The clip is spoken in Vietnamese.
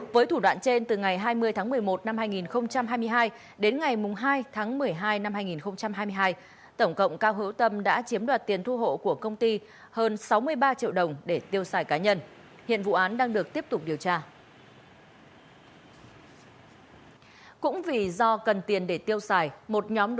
với thủ đoạn trên từ ngày hai mươi tháng một mươi một năm hai nghìn hai mươi hai đến ngày hai tháng một mươi hai năm hai nghìn hai mươi hai